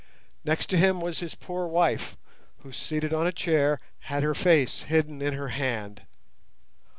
Next to him was his poor wife, who, seated on a chair, had her face hidden in her hand.